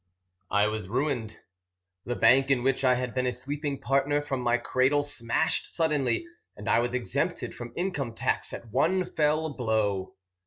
_ I was ruined. The bank in which I had been a sleeping partner from my cradle smashed suddenly, and I was exempted from income tax at one fell blow.